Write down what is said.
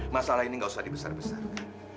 masalah ini gak usah dibesar besarkan